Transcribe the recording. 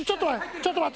ちょっと待って！